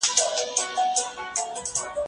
الله تعالی د لقمان عليه السلام قصه راته بيان کړې ده.